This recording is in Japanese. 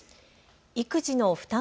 育児の負担